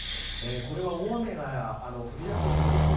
これは大雨が降りやすい西日本